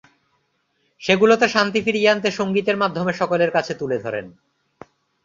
সেগুলোতে শান্তি ফিরিয়ে আনতে সঙ্গীতের মাধ্যমে সকলের কাছে তুলে ধরেন।